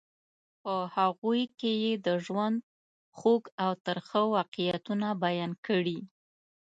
په هغوی کې یې د ژوند خوږ او ترخه واقعیتونه بیان کړي.